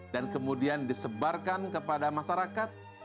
dan kemudian disebarkan kepada masyarakat